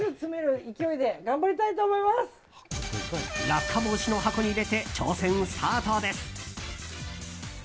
落下防止の箱に入れて挑戦スタートです。